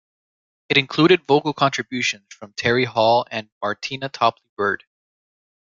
It included vocal contributions from Terry Hall and Martina Topley-Bird.